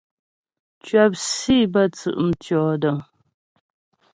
Cwəp sǐ bə́ tsʉ' mtʉ̂ɔdəŋ.